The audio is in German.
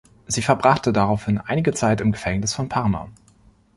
Sie verbrachte daraufhin einige Zeit im Gefängnis von Parma.